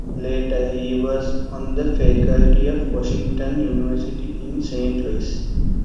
Later he was on the faculty of Washington University in Saint Louis.